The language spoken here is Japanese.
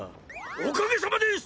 おかげさまです！